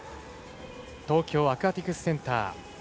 東京アクアティクスセンター。